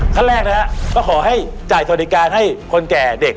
ขั้นแรกนะฮะก็ขอให้จ่ายสวัสดิการให้คนแก่เด็ก